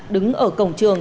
đứng ở cổng trường